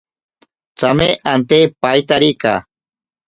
Tsame ante paitarika.